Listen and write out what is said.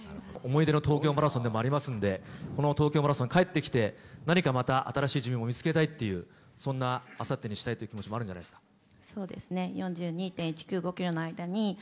思い出の東京マラソンでもありますんで、この東京マラソンに帰ってきて、何かまた新しい自分を見つけたいっていう、そんな、あさってにしたいという気持ちもあるんじゃないですか。